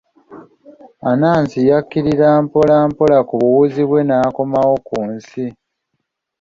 Anansi yakkirira mpola mpola ku buwuzi bwe n'akomawo ku nsi.